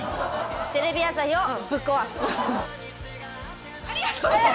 テレビ朝日をぶっ壊す！！